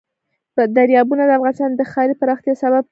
دریابونه د افغانستان د ښاري پراختیا سبب کېږي.